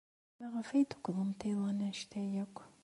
Maɣef ay tukḍemt iḍan anect-a akk?